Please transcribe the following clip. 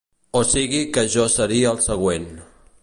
O sigui que jo seria el següent.